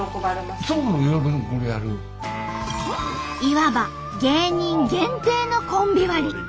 いわば芸人限定のコンビ割。